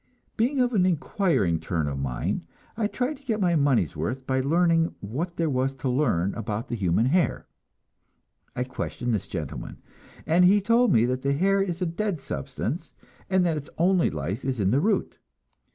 Being of an inquiring turn of mind, I tried to get my money's worth by learning what there was to learn about the human hair. I questioned this gentleman, and he told me that the hair is a dead substance, and that its only life is in the root.